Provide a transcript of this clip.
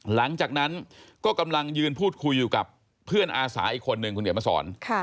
หลังจากนั้นก็กำลังยืนพูดคุยอยู่กับเพื่อนอาสาอีกคนนึงคุณเหนียวมาสอน